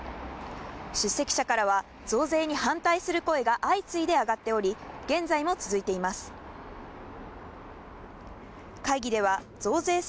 出席者からは、増税に反対する声が相次いで上がっており、現在も続いています。